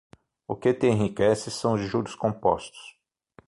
O que te enriquece são os juros compostos